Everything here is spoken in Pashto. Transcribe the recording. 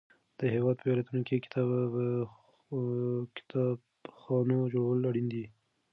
د هیواد په ولایتونو کې کتابخانو جوړول اړین دي.